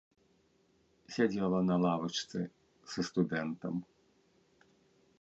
Сядзела на лавачцы са студэнтам.